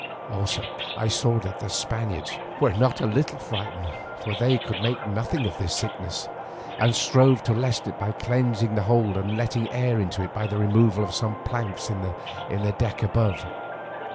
Also I saw that the Spaniards were not a little frightened, for they could make nothing of this sickness, and strove to lessen it by cleansing the hold and letting air into it by the removal of some planks in the deck above.